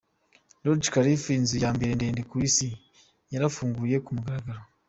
Burj Khalifa, inzu ya mbere ndende ku isi yarafunguwe ku mugaragaro.